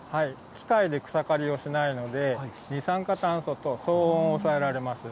機械で草刈りをしないので、二酸化炭素と騒音を抑えられます。